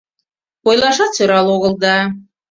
— Ойлашат сӧрал огыл да...